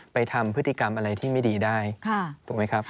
ไปทำพฤติกรรมอะไรที่ไม่ดีได้ถูกไหมครับ